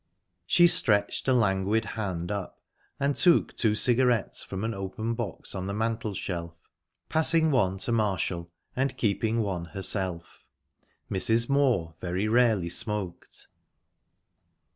She stretched a languid hand up, and took two cigarettes from an open box on the mantelshelf, passing one to Marshall and keeping one herself; Mrs. Moor very rarely smoked.